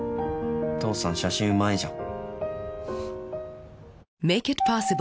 父さん写真うまいじゃん。